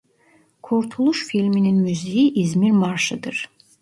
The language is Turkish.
Kurtuluş filminin müziği İzmir Marşıdır.